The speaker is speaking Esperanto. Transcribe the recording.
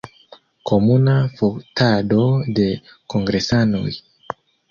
Komuna fotado de kongresanoj.